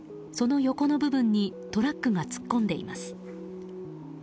その横の部分にトラックが突っ込んでいます。